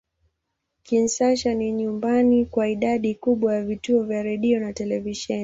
Kinshasa ni nyumbani kwa idadi kubwa ya vituo vya redio na televisheni.